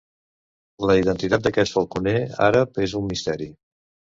La identitat d'aquest falconer àrab és un misteri.